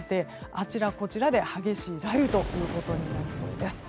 あちらこちらで激しい雷雨となりそうです。